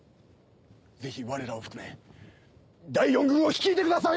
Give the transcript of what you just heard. ぜひわれらを含め第四軍を率いてください！